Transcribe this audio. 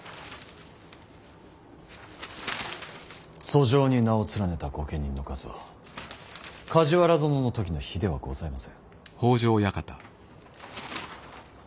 訴状に名を連ねた御家人の数は梶原殿の時の比ではございません。